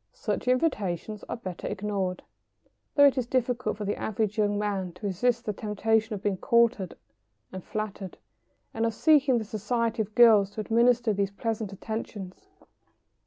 ] Such invitations are better ignored, though it is difficult for the average young man to resist the temptation of being courted and flattered, and of seeking the society of girls who administer these pleasant attentions.